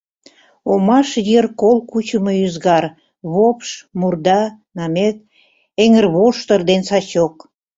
Омаш йыр кол кучымо ӱзгар: вопш, мурда, намет, эҥырвоштыр ден сачок.